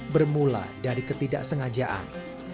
bermula dari ketidaksengajaan